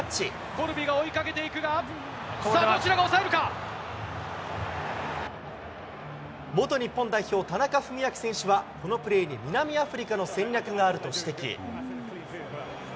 コルビが追いかけていくが、さあ、元日本代表、田中史朗選手は、このプレーに南アフリカの戦略があると指摘。